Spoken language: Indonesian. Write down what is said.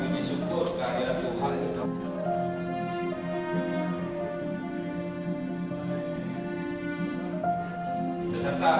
berisikan rekap atas tiga ratus